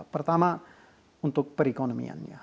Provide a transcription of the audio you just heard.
pertama untuk perekonomiannya